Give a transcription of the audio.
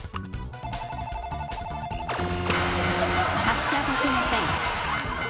発車できません。